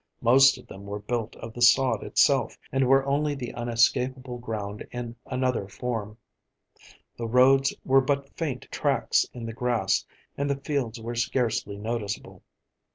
Most of them were built of the sod itself, and were only the unescapable ground in another form. The roads were but faint tracks in the grass, and the fields were scarcely noticeable.